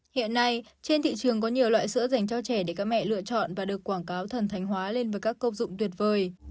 hiện nay trên thị trường có nhiều loại sữa dành cho trẻ để các mẹ lựa chọn và được quảng cáo thần thánh hóa lên với các công dụng tuyệt vời